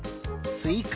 「すいか」。